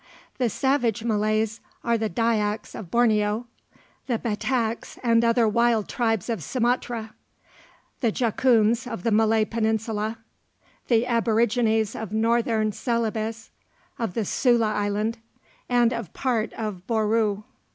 The savage Malays are the Dyaks of Borneo; the Battaks and other wild tribes of Sumatra; the Jakuns of the Malay Peninsula; the aborigines of Northern Celebes, of the Sula island, and of part of Bouru.